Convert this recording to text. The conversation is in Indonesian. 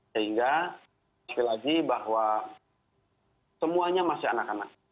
sehingga sekali lagi bahwa semuanya masih anak anak